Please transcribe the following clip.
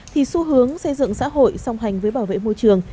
thì xu hướng xây dựng xã hội song hành với bảo vệ môi trường